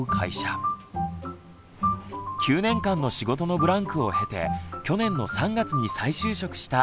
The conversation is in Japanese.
９年間の仕事のブランクを経て去年の３月に再就職した菅沼さんです。